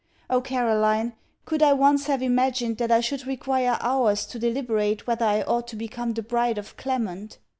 Oh, Caroline, could I once have imagined that I should require hours to deliberate whether I ought to become the bride of Clement!